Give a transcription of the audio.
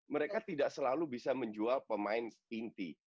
mereka tidak selalu bisa menjual pemain inti